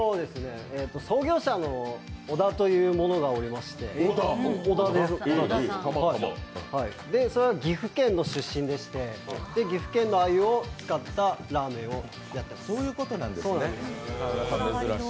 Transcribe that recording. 創業者のオダという者がおりまして、岐阜県の出身でして岐阜県の鮎を使ったラーメンをやっております。